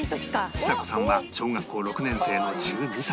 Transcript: ちさ子さんは小学校６年生の１２歳